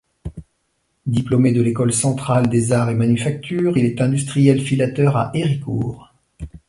Diplômé de l'école centrale des arts et manufactures, il est industriel filateur à Héricourt.